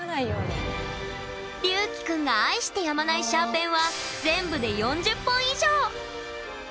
りゅうきくんが愛してやまないシャーペンは全部で４０本以上！